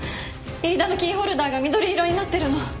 飯田のキーホルダーが緑色になってるの。